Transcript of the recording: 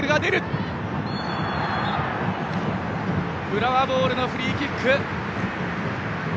浦和ボールのフリーキック。